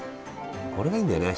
これがいいんだよね。